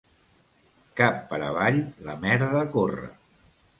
Cap per avall, la merda corre.